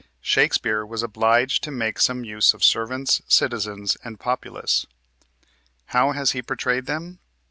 Shakespeare was obliged to make some use of servants, citizens, and populace. How has he portrayed them?